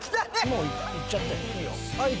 もういっちゃっていいよ。